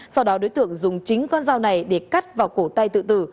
sau đó đối tượng dùng chính con dao này để cắt vào cổ tay tự tử